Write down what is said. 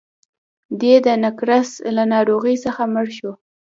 دی د نقرس له ناروغۍ څخه مړ شو.